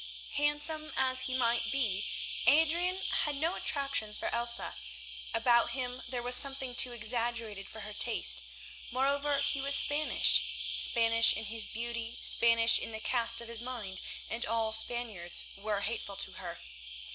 Handsome as he might be, Adrian had no attractions for Elsa. About him there was something too exaggerated for her taste; moreover he was Spanish, Spanish in his beauty, Spanish in the cast of his mind, and all Spaniards were hateful to her.